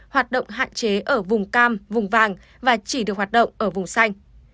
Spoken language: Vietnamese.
hoạt động hạn chế ở vùng cam vùng vàng và chỉ được hoạt động ở vùng xanh